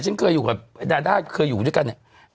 ฉันเคยอยู่กับดาด้าเคยอยู่ด้วยกันเนี่ย